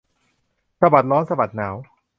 สะบัดร้อนสะบัดหนาว